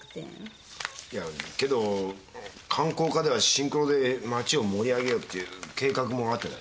いやけど観光課ではシンクロで町を盛り上げようっていう計画もあってだね。